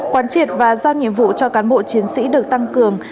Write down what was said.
quán triệt và giao nhiệm vụ cho cán bộ chiến sĩ được tăng cường